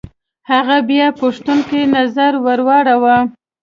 هغه بيا پوښتونکی نظر ور واړوه.